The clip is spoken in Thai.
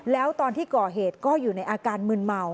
แล้วตอนที่ก่อเหตุก็อยู่ในอาการมืนเมา